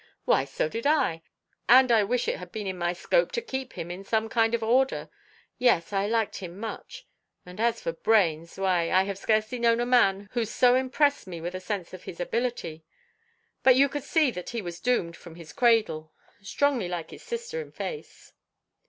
"Why, so did I; and I wish it had been in my scope to keep him in some kind of order. Yes, I liked him much. And as for brains, why, I have scarcely known a man who so impressed me with a sense of his ability. But you could see that he was doomed from his cradle. Strongly like his sister in face."